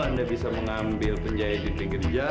mak spirant manja